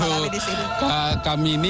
boleh berbagi bersama kami disini